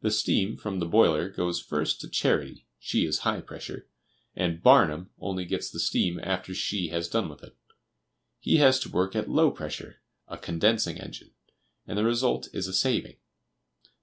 The steam from the boiler goes first to "Charity" (she is high pressure), and "Barnum" only gets the steam after she has done with it. He has to work at low pressure (a condensing engine), and the result is a saving.